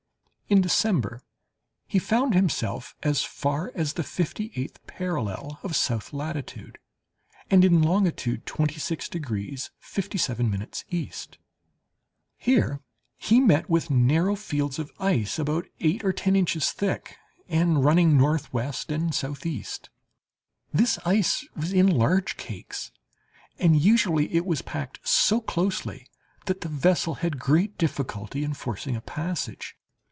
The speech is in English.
In December he found himself as far as the fifty eighth parallel of south latitude, and in longitude 26 degrees 57' E. Here he met with narrow fields of ice, about eight or ten inches thick, and running northwest and southeast. This ice was in large cakes, and usually it was packed so closely that the vessel had great difficulty in forcing a passage.